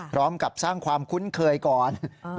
พร้อมกับสร้างความคุ้นเคยก่อน